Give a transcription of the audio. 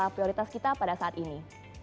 itu juga prioritas kita pada saat ini